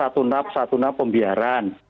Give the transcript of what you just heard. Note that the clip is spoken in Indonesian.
ada satu naf satu naf pembiaran